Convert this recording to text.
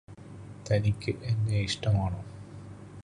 തനിക്ക് എന്നെയിഷ്ടമാണോ?